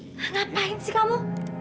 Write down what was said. ngapain sih kamu